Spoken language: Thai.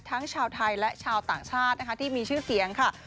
ทั้งชาวไทยและชาวต่างชาตินะคะที่มีชื่อเสียงค่ะ